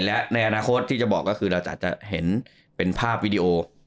และในอนาคตที่จะบอกก็คือเราจะเห็นเป็นภาพวิดีโอ